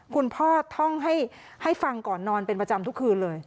คุณพ่อท่องให้ฟังก่อนนอนเป็นประจำทุกคืนเลย